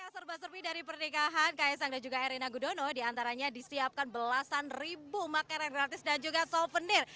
serba serbi dari pernikahan kaisang dan juga erina gudono diantaranya disiapkan belasan ribu makanan gratis dan juga souvenir